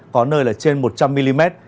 có nơi là trên một trăm linh mm